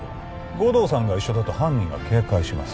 護道さんが一緒だと犯人が警戒します